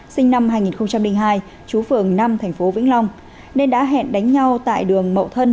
sinh năm hai nghìn hai chú phường năm tp vĩnh long nên đã hẹn đánh nhau tại đường mậu thân